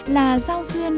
là giao duyên